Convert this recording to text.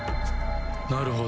なるほど。